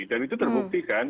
dan itu terbukti kan